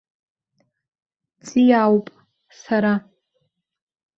Ҵиаауп, сара.